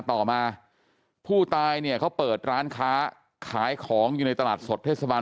ต่อมาผู้ตายเนี่ยเขาเปิดร้านค้าขายของอยู่ในตลาดสดเทศบาล